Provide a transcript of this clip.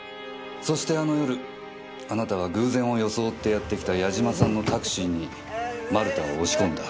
そしてあの夜あなたは偶然を装ってやってきた八嶋さんのタクシーに丸田を押し込んだ。